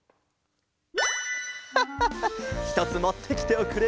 ハッハッハひとつもってきておくれ。